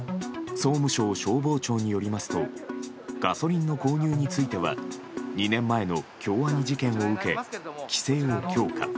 総務省消防庁によりますとガソリンの購入については２年前の京アニ事件を受け規制を強化。